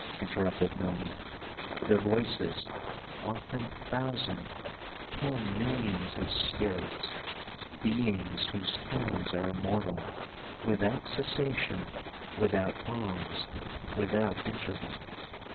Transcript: interrupted Melmoth; 'the voices often thousand—ten millions of spirits—beings whose tones are immortal, without cessation, without pause, without interval!'